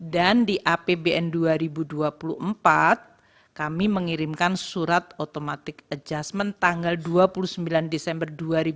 dan di apbn dua ribu dua puluh empat kami mengirimkan surat automatic adjustment tanggal dua puluh sembilan desember dua ribu dua puluh tiga